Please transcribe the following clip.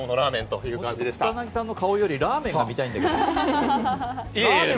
草薙さんの顔よりラーメンが見たいんだけど。